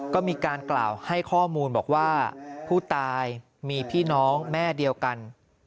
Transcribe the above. ก็มีการกล่าวให้ข้อมูลบอกว่าผู้ตายมีพี่น้องแม่เดียวกัน